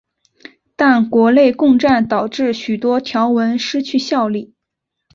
但国共内战导致许多条文失去效力。